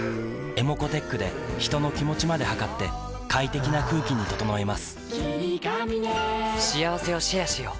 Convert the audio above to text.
ｅｍｏｃｏーｔｅｃｈで人の気持ちまで測って快適な空気に整えます